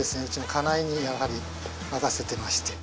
家内にやはり任せてまして。